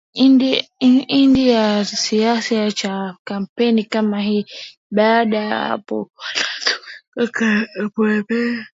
indi cha siasa cha kampeni kama hii baada ya hapo wanatuweka pembeni